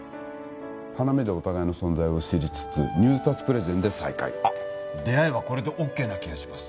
花見でお互いの存在を知りつつ入札プレゼンで再会あっ出会いはこれでオッケーな気がします